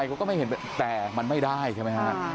เขาก็ไม่เห็นแต่มันไม่ได้ใช่ไหมฮะ